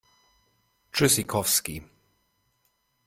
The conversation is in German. Tschüssikowski!